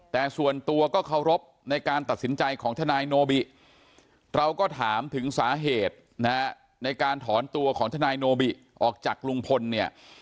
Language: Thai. แต่ส่วนตัวก็เคารพในการตัดสินใจของทนายโนบิเราก็ถามถึงสาเหตุนะฮะในการถอนตัวของทนายโนบิออกจากลุงพลเนี่ย